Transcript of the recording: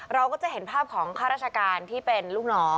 เราก็จะเห็นภาพของข้าราชการที่เป็นลูกน้อง